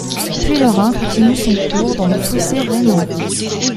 Puis le Rhin continue son cours dans le fossé rhénan.